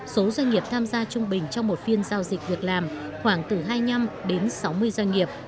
số doanh nghiệp tham gia trung bình trong một phiên giao dịch việc làm khoảng từ hai mươi năm đến sáu mươi doanh nghiệp